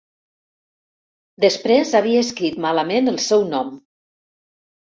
Després havia escrit malament el seu nom.